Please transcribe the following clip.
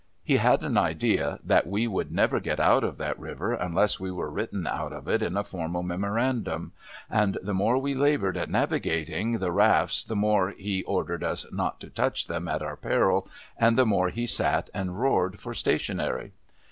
He had an idea that we should never get out of that river unless we were written out of it in a formal Memorandum ; ami the more we laboured at navigating the rafts, the more he ordered us not to touch them at our peril, and the more he sat and roared for stationery.